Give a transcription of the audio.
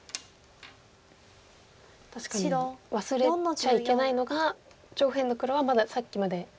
確かに忘れちゃいけないのが上辺の黒はまださっきまで。